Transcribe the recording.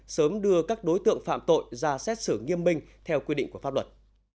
sớm đưa các đối tượng phạm tội ra xét xử nghiêm minh theo quy định của pháp luật